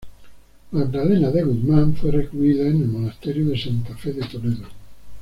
Magdalena de Guzmán fue recluida en el monasterio de Santa Fe de Toledo.